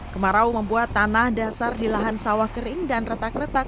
kemarau membuat tanah dasar di lahan sawah kering dan retak retak